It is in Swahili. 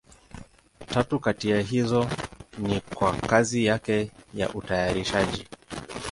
Tatu kati ya hizo ni kwa kazi yake ya utayarishaji.